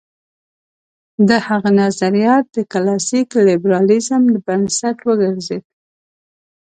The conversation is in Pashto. د هغه نظریات د کلاسیک لېبرالېزم بنسټ وګرځېد.